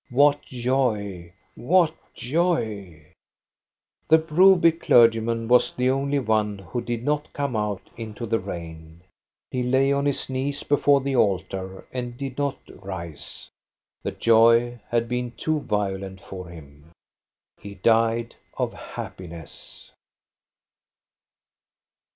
What joy, what joy ! The Broby clergyman was the only one who did not come out into the rain. He lay on his knees before the altar and did not rise. The joy had been too violent for him. He died of happiness.